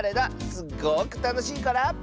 すごくたのしいから。